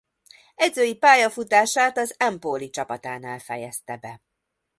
Edzői pályafutását az Empoli csapatánál fejezte be.